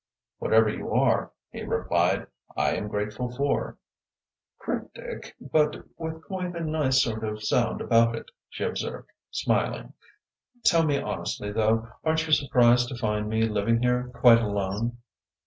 "Whatever you are," he replied, "I am grateful for." "Cryptic, but with quite a nice sort of sound about it," she observed, smiling. "Tell me honestly, though, aren't you surprised to find me living here quite alone?"